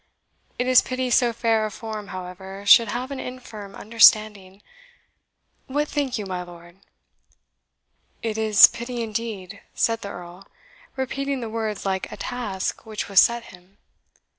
It is pity so fair a form, however, should have an infirm understanding. What think you, my lord?" "It is pity indeed," said the Earl, repeating the words like a task which was set him.